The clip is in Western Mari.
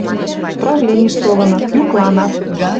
Правлениш толыныт, юкланат: